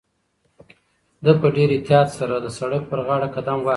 ده په ډېر احتیاط سره د سړک پر غاړه قدم واخیست.